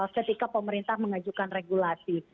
ketika pemerintah mengajukan regulasi